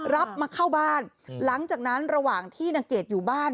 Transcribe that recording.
รับมาเข้าบ้านหลังจากนั้นระหว่างที่นางเกดอยู่บ้าน